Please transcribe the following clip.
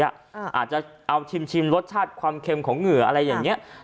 อาจจะเอาชิมรสชาติความเค็มของเหงื่ออะไรอย่างนี้